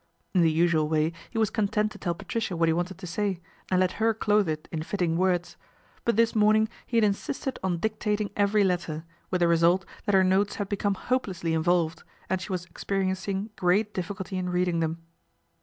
In the usual way he was content to tell Patricia what he wanted to say, and let her clothe it in fitting words ; but this morning he had insisted on dictating every letter, with the result that her notes had become hopelessly involved and she was experiencing great difficulty in reading them.